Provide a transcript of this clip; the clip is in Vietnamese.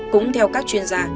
cũng theo các chuyên gia